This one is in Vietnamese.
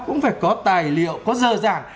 cũng phải có tài liệu có dờ dàng